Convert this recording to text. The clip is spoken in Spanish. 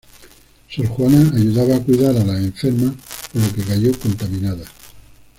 Sor Juana ayudaba a cuidar a las enfermas, por lo que cayó contaminada.